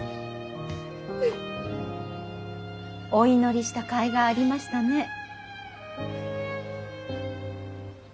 お祈りした甲斐がありましたね。